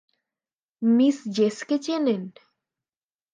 Miss জেসকে চেনেন?